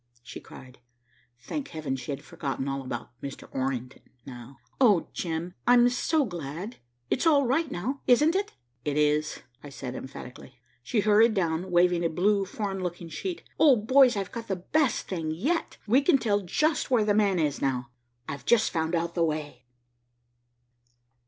she cried. Thank Heaven she had forgotten all about Mr. Orrington now. "Oh, Jim, I'm so glad. It's all right now, isn't it?" "It is," I said emphatically. She hurried down, waving a blue foreign looking sheet. "Oh, boys, I've got the best thing yet. We can tell just where 'the man' is now. I've just found out the way."